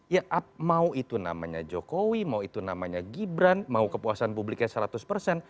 ya mau itu namanya jokowi mau itu namanya gibran mau kepuasan publiknya seratus persen